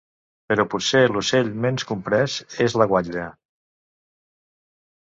Però potser l'ocell menys comprès és la guatlla.